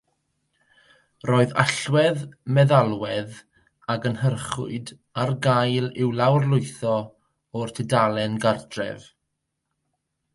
Roedd allwedd meddalwedd a gynhyrchwyd ar gael i'w lawrlwytho o'u tudalen gartref.